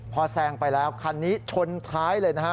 พอแซงไปแล้วคันนี้ชนท้ายเลยนะฮะ